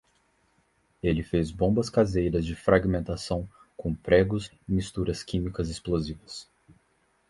Ele fez bombas caseiras de fragmentação, com pregos e misturas químicas explosivas